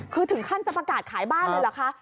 คือถึงขั้นจะประกาศขายบ้านเลยเหรอคะ